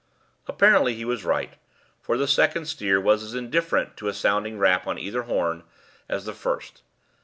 Apparently he was right, for the second steer was as indifferent to a sounding rap on either horn as the first.